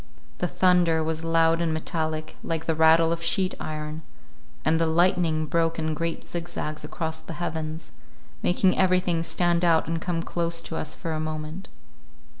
The thunder was loud and metallic, like the rattle of sheet iron, and the lightning broke in great zigzags across the heavens, making everything stand out and come close to us for a moment.